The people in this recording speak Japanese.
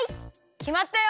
きまったよ！